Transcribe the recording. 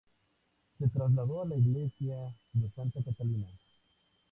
Se trasladó a la iglesia de Santa Catalina.